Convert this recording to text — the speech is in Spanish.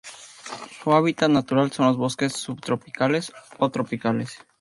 Su hábitat natural son los bosques subtropicales o tropicales.